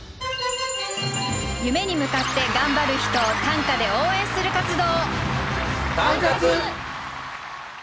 夢に向かって頑張る人を短歌で応援する活動。